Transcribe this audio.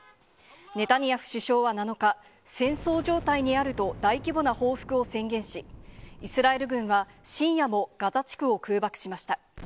ネタニヤフ首相は７日、戦争状態にあると大規模な報復を宣言し、イスラエル軍は深夜もガザ地区を空爆しました。